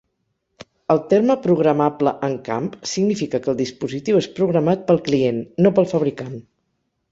El terme "programable en camp" significa que el dispositiu és programat pel client, no pel fabricant.